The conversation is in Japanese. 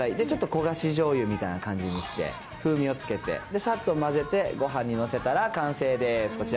ちょっと焦がしじょうゆみたいな感じにして、風味をつけて、そしてさっと混ぜて、ごはんに載せたら完成です。